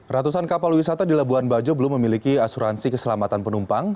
ratusan kapal wisata di labuan bajo belum memiliki asuransi keselamatan penumpang